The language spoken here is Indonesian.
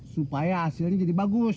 supaya hasilnya jadi bagus